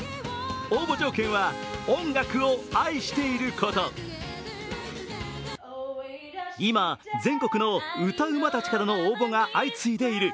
応募条件は、音楽を愛していること今、全国の歌うまたちからの応募が相次いでいる。